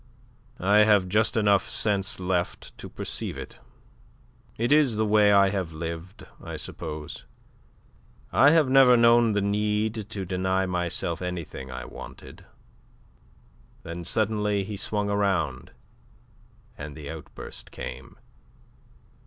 I have just enough sense left to perceive it. It is the way I have lived, I suppose. I have never known the need to deny myself anything I wanted." Then suddenly he swung round, and the outburst came.